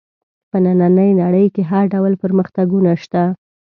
په نننۍ نړۍ کې هر ډول پرمختګونه شته.